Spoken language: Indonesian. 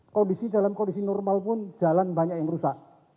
kondisi dalam kondisi normal pun jalan banyak yang rusak